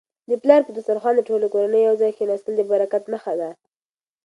د پلار په دسترخوان د ټولې کورنی یو ځای کيناستل د برکت نښه ده.